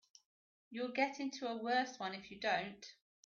You'll get into a worse one if you don't.